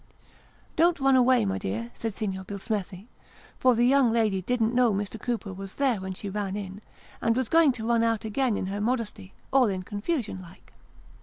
" Don't run away, my dear," said Signor Billsmethi ; for the young lady didn't know Mr. Cooper was there when she ran in, and was going to run out again in her modesty, all in confusion like.